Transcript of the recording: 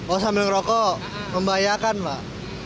oh sambil merokok membahayakan lah